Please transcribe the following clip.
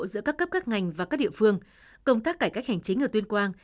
giữa các cấp các ngành và các địa phương công tác cải cách hành chính ở tuyên quang